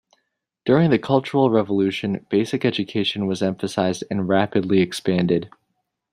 During the Cultural Revolution, basic education was emphasized and rapidly expanded.